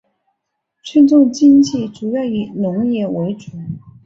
村中经济主要以农业为主。